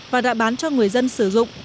và đã bán cho người dân sử dụng